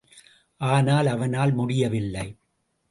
ஆனால் அவனால் முடியவில்லை.